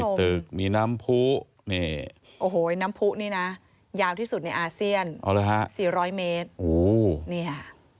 ตึกมีน้ำผู้นี่โอ้โหน้ำผู้นี่นะยาวที่สุดในอาเซียน๔๐๐เมตรโอ้โหเนี่ย